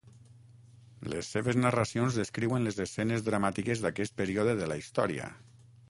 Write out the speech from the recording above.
Les seves narracions descriuen les escenes dramàtiques d'aquest període de la història.